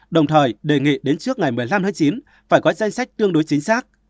đồng thời đề nghị đến trước ngày một mươi năm chín phải có danh sách tương đối chính xác